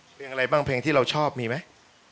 เพลงอะไรบ้างเพลงที่เราชอบมีไหม